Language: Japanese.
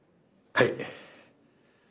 はい。